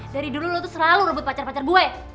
dari dulu lo tuh selalu rebut pacar pacar gue